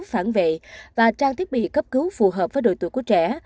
phản vệ và trang thiết bị cấp cứu phù hợp với đội tuổi của trẻ